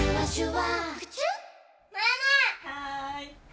はい。